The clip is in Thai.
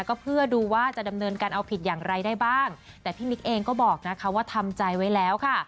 ก็เพื่อดูว่าจะดำเนินการเอาผิดอย่างไรได้บ้างแต่พี่มิ๊กเองก็บอกนะคะว่าทำใจไว้แล้วค่ะ